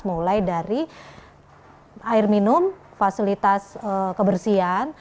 mulai dari air minum fasilitas kebersihan